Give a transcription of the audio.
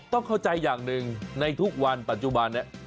ต้องเข้าใจอย่างหนึ่งในทุกวันปัจจุบันนี้